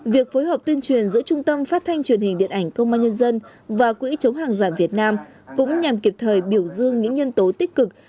việc phối hợp tuyên truyền giữa trung tâm phát thanh truyền hình điện ảnh công an nhân dân và quỹ chống hàng giả việt nam cũng nhằm kịp thời biểu dương những nhân tố tích cực